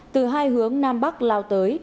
từ hai hướng nam bắc lao tới